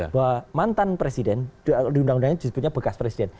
bahwa mantan presiden di undang undangnya disebutnya bekas presiden